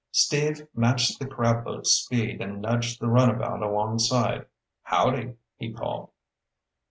Steve matched the crab boat's speed and nudged the runabout alongside. "Howdy," he called.